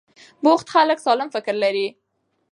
بوخت خلک سالم فکر لري.